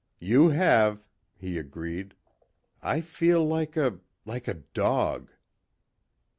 "You have," he agreed. "I feel like a ... like a dog."